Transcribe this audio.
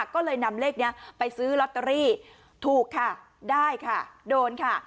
ก็เลยนำเลขนี้ไปซื้อลอตเตอรี่ถูกค่ะได้ค่ะโดนค่ะ